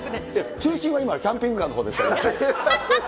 中心は今、キャンピングカーのほうですから。